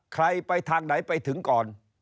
ใครไปทางไหนไปถึงก่อน